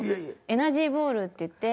エナジーボールっていって。